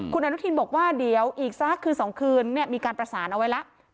คุณอนุทินบอกว่าเดี๋ยวอีกสักคืน๒คืนมีการประสานเอาไว้แล้ว